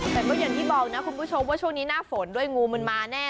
แต่ก็อย่างที่บอกนะคุณผู้ชมว่าช่วงนี้หน้าฝนด้วยงูมันมาแน่